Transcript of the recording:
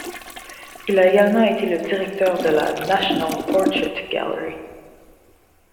Il a également été le directeur de la National Portrait Gallery.